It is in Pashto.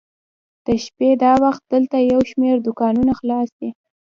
د شپې دا وخت دلته یو شمېر دوکانونه خلاص دي.